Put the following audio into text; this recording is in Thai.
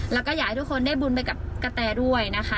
แล้วก็อยากให้ทุกคนได้บุญไปกับกะแตด้วยนะคะ